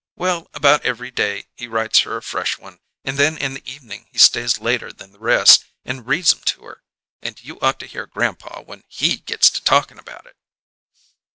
Well, about every day he writes her a fresh one, and then in the evening he stays later than the rest, and reads 'em to her and you ought to hear grandpa when he gets to talkin' about it!"